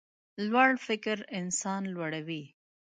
لوړ فکر انسان لوړوي.